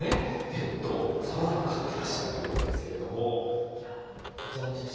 ペットをさまざま飼ってらっしゃるということですけれどもこちらの写真は水槽ですね。